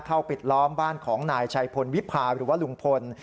ปิดล้อมบ้านของนายชัยพลวิพาหรือว่าลุงพล